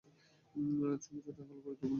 ছমুচাটাই হল গুরুত্বপূর্ণ।